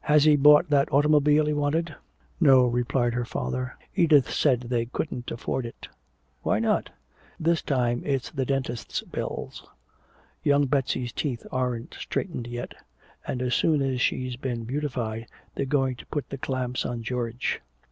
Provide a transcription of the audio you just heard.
"Has he bought that automobile he wanted?" "No," replied her father. "Edith said they couldn't afford it." "Why not?" "This time it's the dentist's bills. Young Betsy's teeth aren't straightened yet and as soon as she's been beautified they're going to put the clamps on George."